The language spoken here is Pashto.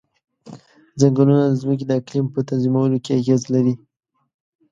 ځنګلونه د ځمکې د اقلیم په تنظیمولو کې اغیز لري.